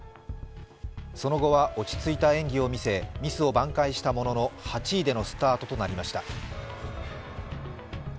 その後は落ち着いた演技を見せ、ミスを挽回したものの８位でのスタートとなりました。